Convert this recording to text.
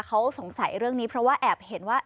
เขาสงสัยเรื่องนี้เพราะว่าแอบเห็นว่า